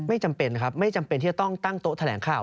ไม่จำเป็นครับไม่จำเป็นที่จะต้องตั้งโต๊ะแถลงข่าว